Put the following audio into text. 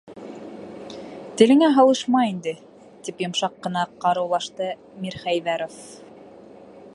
Телеңә һалышма инде, - тип йомшаҡ ҡына ҡарыулашты Мирхәйҙәров.